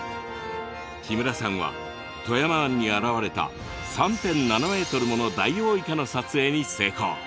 木村さんは富山湾に現れた３．７ｍものダイオウイカの撮影に成功。